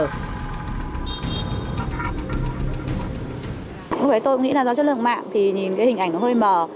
lúc đấy tôi nghĩ là do chất lượng mạng thì nhìn cái hình ảnh nó hơi mở